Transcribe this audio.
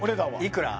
いくら？